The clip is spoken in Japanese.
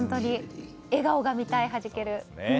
笑顔が見たい、はじける。